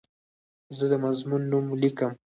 زه د مضمون نوم لیکم.